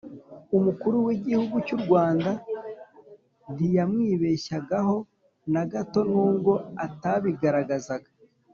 umukuru w'igihugu cy'u rwanda ntiyamwibeshyagaho na gato, nubwo atabigaragazaga